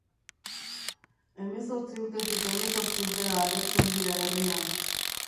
Hemezortzi urtetik hemezortzi urtera agertzen dira herrian.